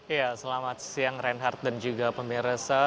ya selamat siang reinhardt dan juga pemirsa